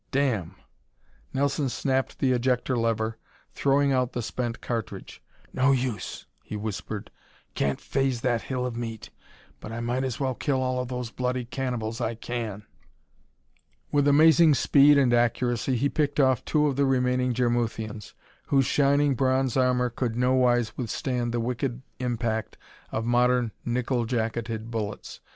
"Damn!" Nelson snapped the ejector lever, throwing out the spent cartridge. "No use," he whispered, "can't faze that hill of meat! But I might as well kill all of those bloody cannibals I can." With amazing speed and accuracy he picked off two of the remaining Jarmuthians, whose shining, bronze armor could nowise withstand the wicked impact of modern nickel jacketed bullets.